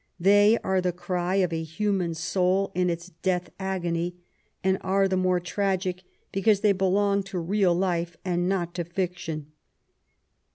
They are the cry of a human soul in its death agony^ and are the more tragic because they belong to real life and not to fiction.